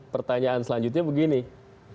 pertanyaan selanjutnya begini